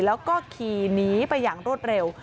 แล้วก็ขี่หนีไปอย่างรวดเร็ว